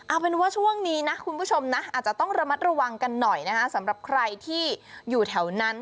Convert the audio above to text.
เอาเป็นว่าช่วงนี้นะคุณผู้ชมนะอาจจะต้องระมัดระวังกันหน่อยนะคะสำหรับใครที่อยู่แถวนั้น